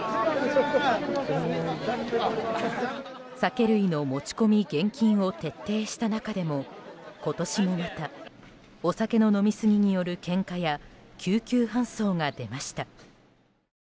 酒類の持ち込み厳禁を徹底した中でも今年もまたお酒の飲みすぎによるけんかや救急搬送が出ました。